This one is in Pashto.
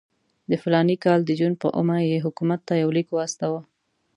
د فلاني کال د جون پر اوومه یې حکومت ته یو لیک واستاوه.